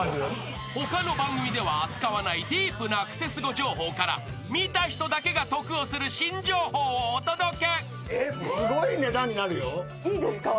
［他の番組では扱わないディープなクセスゴ情報から見た人だけが得をする新情報をお届け］いいんですか？